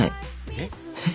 えっ？